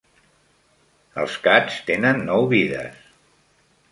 Els cats tenen nou vides.